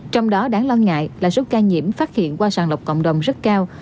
trong đó đáng lo ngại là số ca nhiễm phát hiện qua sàng lọc cộng đồng rất cao